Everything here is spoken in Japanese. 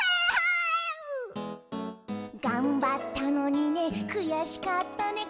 「がんばったのにねくやしかったね」